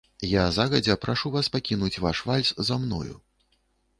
Я загадзя прашу вас пакінуць ваш вальс за мною.